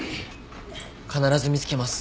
必ず見つけます。